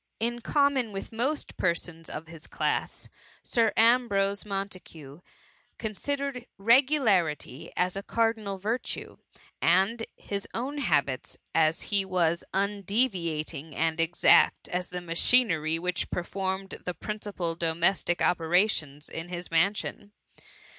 In common with most persons of his class. Sir Ambrose Montagu considered regularity as a cardinal virtue ; and in his own habits, he was as undeviating and exact as the machinery which performed the principal domestic opera tions in his mansion.